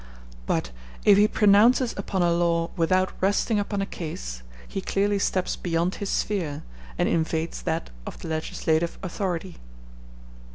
But if he pronounces upon a law without resting upon a case, he clearly steps beyond his sphere, and invades that of the legislative authority.